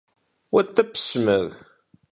УтӀыпщ мыр!